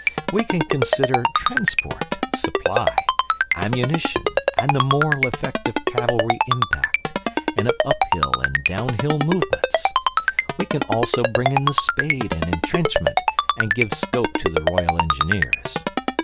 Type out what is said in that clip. We can consider transport, supply, ammunition, and the moral effect of cavalry impact, and of uphill and downhill movements. We can also bring in the spade and entrenchment, and give scope to the Royal Engineers.